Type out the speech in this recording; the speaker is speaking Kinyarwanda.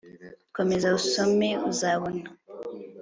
komeza usome uzabona